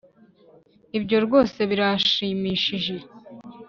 ibyo rwose birashimishije